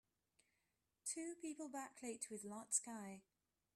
Two people backlit with light sky.